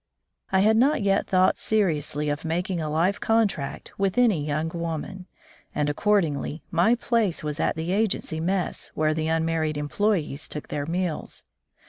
I had not yet thought seriously of making a life contract with any young woman, and accordingly my place was at the agency mess where the unmarried employees took their meals.